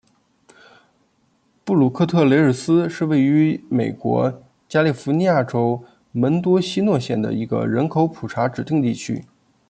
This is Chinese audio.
布鲁克特雷尔斯是位于美国加利福尼亚州门多西诺县的一个人口普查指定地区。